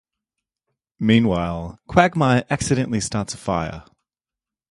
Meanwhile, Quagmire accidentally starts a fire.